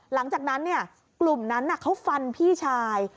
หลังจากนั้นกลุ่มนั้นเขาฟันพี่ชาย